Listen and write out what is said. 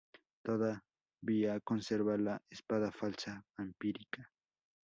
Todavía conserva la espada falsa, vampírica.